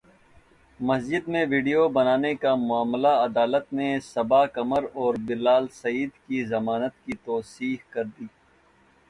مسجد میں ویڈیو بنانے کا معاملہ عدالت نے صبا قمر اور بلال سعید کی ضمانت کی توثیق کردی